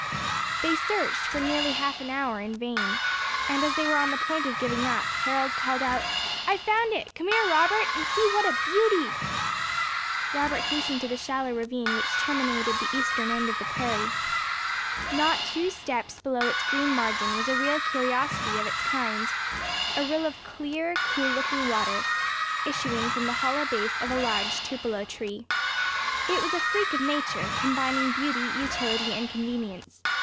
They searched for nearly half an hour in vain; and as they were on the point of giving up, Harold called out, "I have found it! Come here, Robert, and see what a beauty!" Robert hastened to the shallow ravine which terminated the eastern end of the prairie. Not two steps below its green margin was a real curiosity of its kind a rill of clear, cool looking water, issuing from the hollow base of a large tupelo[#] tree. It was a freak of nature, combining beauty, utility and convenience.